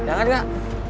gak diangkat gak